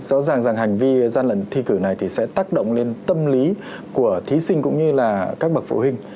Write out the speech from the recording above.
rõ ràng rằng hành vi gian lận thi cử này thì sẽ tác động lên tâm lý của thí sinh cũng như là các bậc phụ huynh